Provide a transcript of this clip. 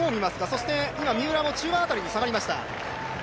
そして三浦も中盤辺りに下がりました。